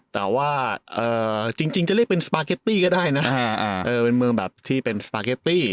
แต่ว่าเอ่อจริงจริงจะเรียกเป็นสปาเก็ตตี้ก็ได้น่ะอ่าเออเป็นเมืองแบบที่เป็นสปาเก็ตตี้